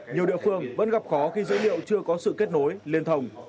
nhiều địa phương vẫn gặp khó khi dữ liệu chưa có sự kết nối liên thông